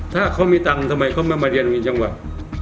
ถ้าเค้ามีตังค์ทำไมมาเรียนวงงี้จังหวัด